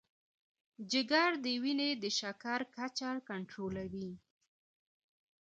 جگر د وینې د شکر کچه کنټرول کوي.